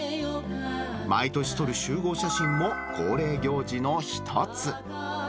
毎年撮る集合写真も恒例行事の一つ。